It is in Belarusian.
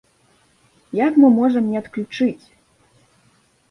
Як мы можам не адключыць?